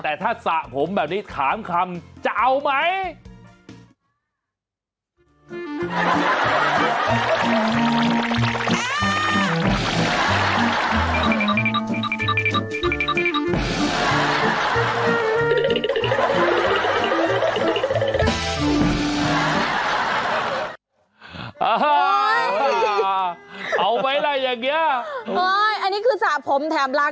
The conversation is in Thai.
แต่ถ้าสระผมแบบนี้ถามคำจะเอาไหม